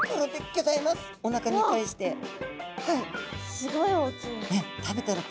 すごい大きい。